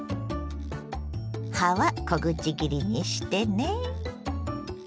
葉は小口切りにしてね。